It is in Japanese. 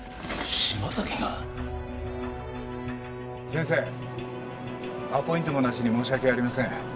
先生アポイントもなしに申し訳ありません。